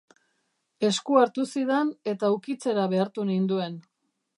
Eskua hartu zidan eta ukitzera behartu ninduen.